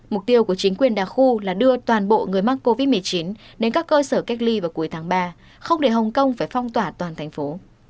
mục tiêu của chính quyền đa khu là đưa toàn bộ người mắc covid một mươi chín đến các cơ sở cách ly vào cuối tháng ba không để hồng kông phải phong tỏa toàn thành phố